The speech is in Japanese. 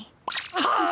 はあ⁉